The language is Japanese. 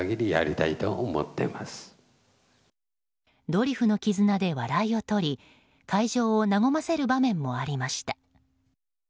ドリフの絆で笑いを取り会場を和ませる場面もありました。